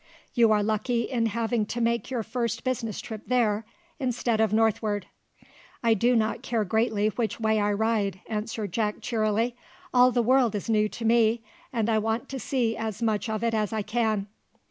You are lucky in having to make your first business trip there, instead of northward." "I do not care greatly which way I ride," answered Jack cheerily; "all the world is new to me, and I want to see as much of it as I can."